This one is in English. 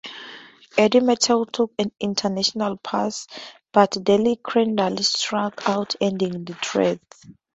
Eddie Mathews took an intentional pass but Del Crandall struck out ending the threat.